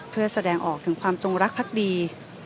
เพื่อแสดงออกถึงความจงรักภักดี